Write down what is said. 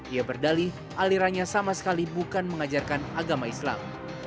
ia berdalih alirannya sama sekali bukan mengajarkan agama islam